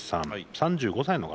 ３５歳の方。